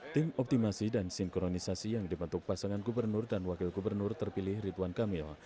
tim optimasi dan sinkronisasi yang dibentuk pasangan gubernur dan wakil gubernur terpilih ridwan kamil